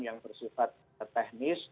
yang bersifat teknis